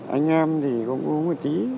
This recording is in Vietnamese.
anh em thì cũng uống một tí